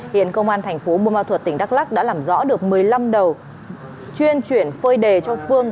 hiện công an thành phố buôn ma thuật tỉnh đắk lắc đã làm rõ được một mươi năm đầu chuyên chuyển phơi đề cho phương